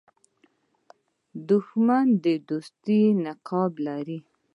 دښمن د دوستۍ نقاب لري